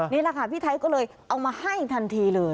นี่แหละค่ะพี่ไทยก็เลยเอามาให้ทันทีเลย